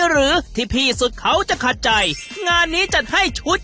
แล้วทำยากไหมพี่สุด